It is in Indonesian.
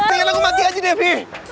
mendingan aku mati aja devi